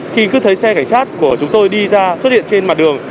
khi cứ thấy xe cảnh sát của chúng tôi đi ra xuất hiện trên mặt đường